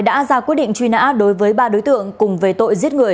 đã ra quyết định truy nã đối với ba đối tượng cùng về tội giết người